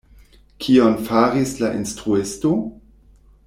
Kion faris la instruisto?